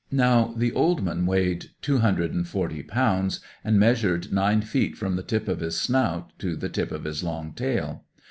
Now, the old man weighed two hundred and forty pounds, and measured nine feet from the tip of his snout to the tip of his long tail.